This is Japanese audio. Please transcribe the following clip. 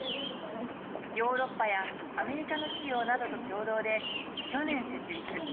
ヨーロッパやアメリカの企業などと共同で、去年設立。